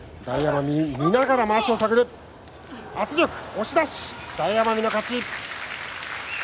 押し出し、大奄美の勝ち。